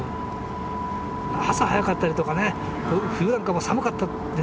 朝早かったりとかね冬なんかも寒かったりね。